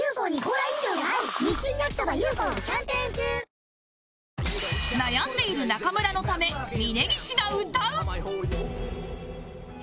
新しくなった悩んでいる中村のため峯岸が歌う